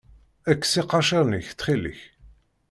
Kkes iqaciren-ik, ttxil-k.